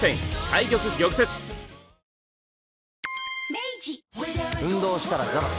明治運動したらザバス。